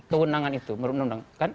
kewenangan itu menurut undang undang